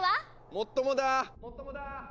・もっともだ！